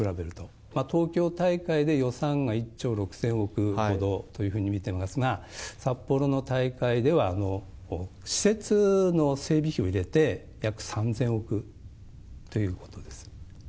東京大会で予算が１兆６０００億ほどというふうに見てますが、札幌の大会では、施設の整備費を入れて約３０００億ということです。